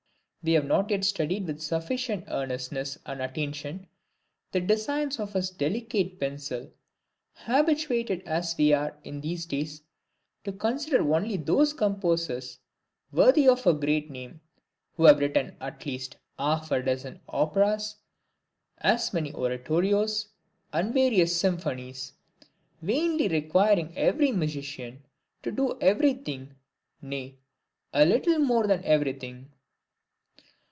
we have not yet studied with sufficient earnestness and attention the designs of his delicate pencil, habituated as we are, in these days, to consider only those composers worthy of a great name, who have written at least half a dozen Operas, as many Oratorios, and various Symphonies: vainly requiring every musician to do every thing, nay, a little more than every thing.